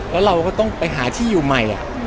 แล้วเราก็ต้องไปหาที่อยู่ใหม่